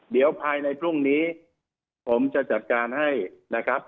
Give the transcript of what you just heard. เดี๋ยวภายในพรุ่งนี้ผมจะจัดการให้นะครับ